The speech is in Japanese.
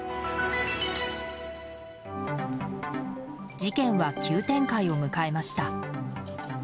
事件は急展開を迎えました。